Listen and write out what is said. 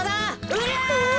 うりゃ！